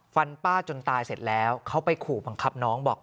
ป้าจนตายเสร็จแล้วเขาไปขู่บังคับน้องบอก